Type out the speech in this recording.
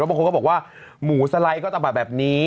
บางคนก็บอกว่าหมูสไลด์ก็จะมาแบบนี้